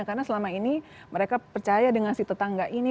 karena selama ini mereka percaya dengan si tetangga ini